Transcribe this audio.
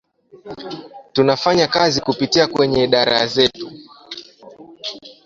Tunafanya kazi kupitia kwenye idara zetu